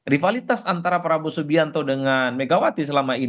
rivalitas antara prabowo subianto dengan megawati